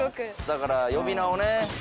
だから呼び名をね。